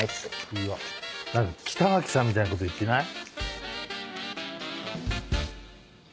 うわ何北脇さんみたいなこと言ってない？